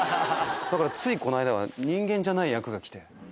ついこの間は人間じゃない役が来て。